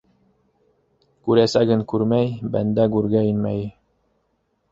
Күрәсәген күрмәй - бәндә гүргә инмәй.